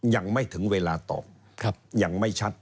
ยังไม่ถึงเวลาตอบยังไม่ชัด